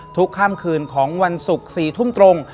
ทุกค่ำคืนของวันศุกร์๔ทุ่มตรง